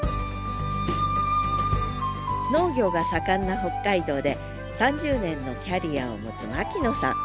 農業が盛んな北海道で３０年のキャリアを持つ牧野さん。